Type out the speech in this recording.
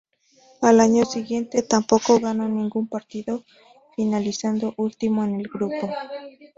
Al año siguiente, tampoco gana ningún partido finalizando último en el grupo.